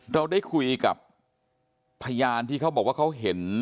เราได้คุยกับพยานที่เขาบอกว่าเขาเห็น